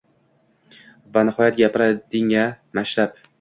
va nihoyat gapirding-a Mashrab?